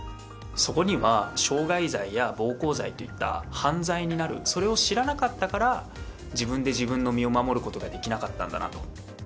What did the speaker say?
そこには傷害罪や暴行罪といった犯罪になるそれを知らなかったから自分で自分の身を守る事ができなかったんだなと。